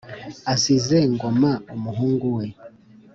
azize Ngoma umuhungu we.